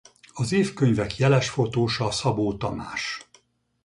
Az évkönyvek jeles fotósa Szabó Tamás.